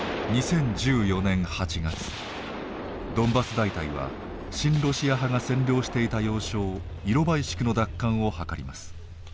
ドンバス大隊は親ロシア派が占領していた要衝イロバイシクの奪還をはかります。